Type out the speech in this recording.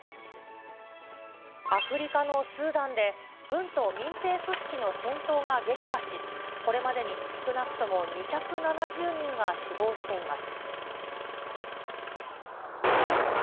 アフリカのスーダンで、軍と民兵組織の戦闘が激化し、これまでに少なくとも２７０人が死亡しています。